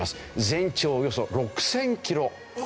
全長およそ６０００キロ。